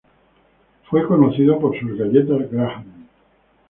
Fue conocido por sus galletas graham.